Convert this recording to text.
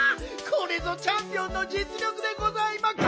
これぞチャンピオンのじつ力でございま。